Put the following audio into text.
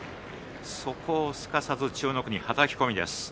そこを、すかさず千代の国をはたき込みです。